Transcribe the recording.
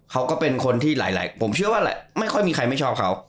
เขาก็เป็นคนที่หลายผมเชื่อว่าแหละไม่ค่อยมีใครไม่ชอบเขา